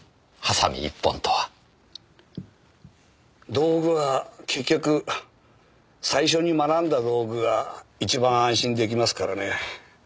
道具は結局最初に学んだ道具が一番安心出来ますからね。